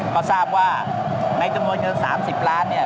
ก็ทราบว่าในจำนวนเงิน๓๐ล้านเนี่ย